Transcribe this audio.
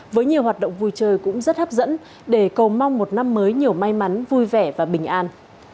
với nhiều hoạt động vui chơi cũng rất hấp dẫn để cầu mong một năm mới nhiều may mắn vui vẻ và bình an